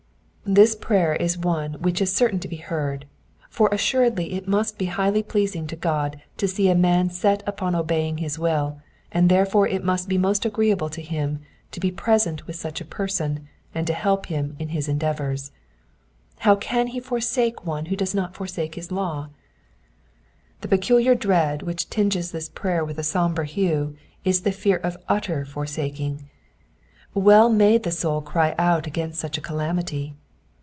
This prayer is one which is certain to be heard, for assuredly it must be liighly pleasing to God to see a man set upon obeying his will, and therefore it must be most agreeable to him to be present with such a person, and to help him in his endeavours. How can he forsake one who does not forsake his law ? The peculiar dread which tinges this prayer with a sombre hue is the fear of utter forsaking. Well may the soul cry out against such a calamity.